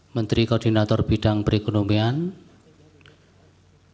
menteri koordinator bidang pembangunan manusia dan kebudayaan republik indonesia